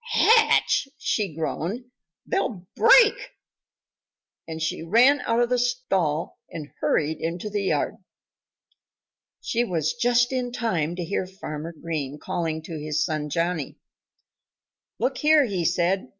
"Hatch!" she groaned. "They'll break!" And she ran out of the stall and hurried into the yard. She was just in time to hear Farmer Green calling to his son Johnnie. "Look here!" said he.